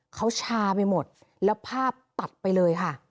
เขาชาไปหมดแล้วภาพตัดไปเลยค่ะ